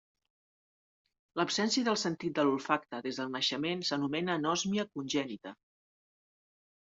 L'absència del sentit de l'olfacte des del naixement s'anomena anòsmia congènita.